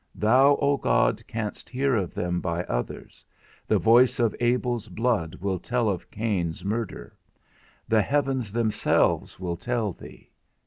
Thou, O God, canst hear of them by others: the voice of Abel's blood will tell thee of Cain's murder; the heavens themselves will tell thee.